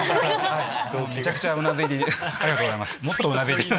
めちゃくちゃうなずいてありがとうございます。